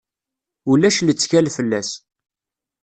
Ulac lettkal fell-as.